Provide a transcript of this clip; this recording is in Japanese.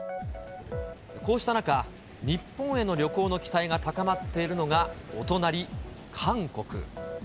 こうした中、日本への旅行の期待が高まっているのがお隣、韓国。